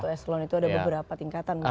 eselon itu ada beberapa tingkatan